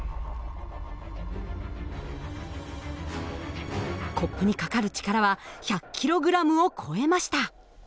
コップにかかる力は１００ｋｇを超えました。